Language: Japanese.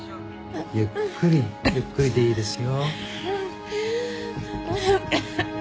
ゆっくりゆっくりでいいですよ。